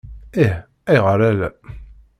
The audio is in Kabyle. Ih, ayɣer ala?